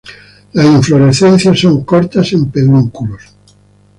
Las inflorescencias son cortas, en pedúnculos.